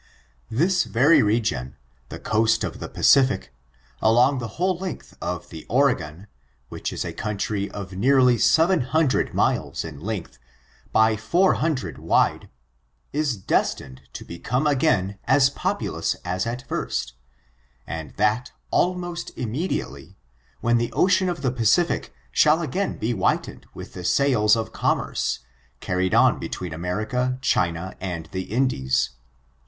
This very region, the coast of the Pacific, along the whole length of the Oregon^ which is a country of nealy seven hundred miles in length, by four hun dred wide, is destined to become again as populous as at first, and that, almost immediately, when the ocean of the Pacific shall again be whitened with the sails of commerce, carried on between America, China, and the Indies.